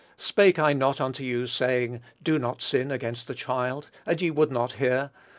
Spake I not unto you, saying, Do not sin against the child; and ye would not hear?